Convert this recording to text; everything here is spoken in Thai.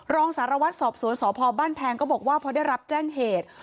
รองศาฬวัชฑ์สภพพแพงก็บอกว่าพอได้รับแจ้งเหตุ